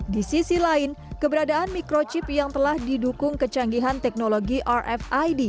di sisi lain keberadaan microchip yang telah didukung kecanggihan teknologi rfid